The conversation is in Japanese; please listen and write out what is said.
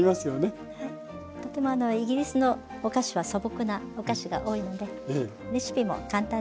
とてもイギリスのお菓子は素朴なお菓子が多いのでレシピも簡単です。